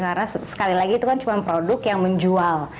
karena sekali lagi itu kan cuma produk yang menjual